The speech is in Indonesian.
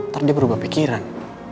nanti dia berubah pikiran